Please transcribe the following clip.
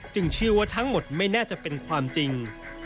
เชื่อว่าทั้งหมดไม่น่าจะเป็นความจริง